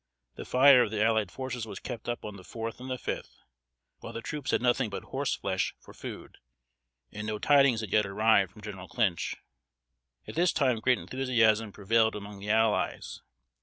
The fire of the allied forces was kept up on the fourth and fifth, while the troops had nothing but horse flesh for food, and no tidings had yet arrived from General Clinch. At this time great enthusiasm prevailed among the allies.